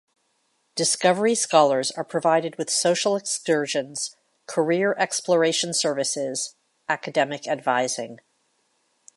Discovery Scholars are provided with social excursions, career exploration services, academic advising.